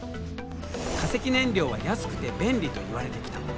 化石燃料は安くて便利といわれてきた。